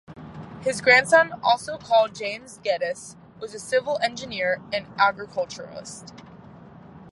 His grandson, also called James Geddes, was a civil engineer and agriculturist.